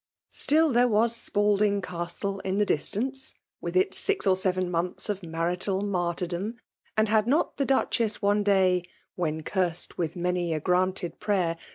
FEMALE DOMINATION. 269 Still there was Spalding Castle in the dis tance, with its six or seven months of marital martyrdom ; and had not the Duchess one day, *' Wheu cursed with many a granted prayer."